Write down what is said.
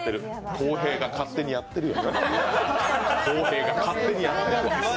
洸平が勝手にやってるわ。